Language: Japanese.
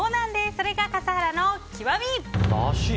それが笠原の極み。